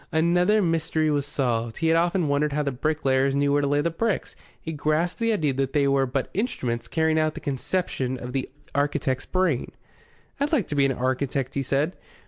Another mystery was solved. He had often wondered how the bricklayers knew where to lay the bricks. He grasped the idea that they were but instruments carrying out the conception of the architect's brain. "I'd like to be an architect," he said.